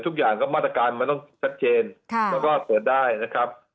ทุกอย่างก็มาตรการมันต้องชัดเจนแล้วก็เปิดได้นะครับ